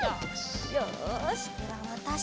よしではわたしも。